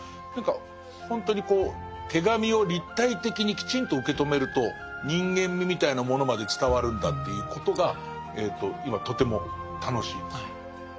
何かほんとにこう手紙を立体的にきちんと受け止めると人間味みたいなものまで伝わるんだということが今とても楽しいです。